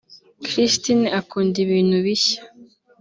Christine akunda ibintu bishya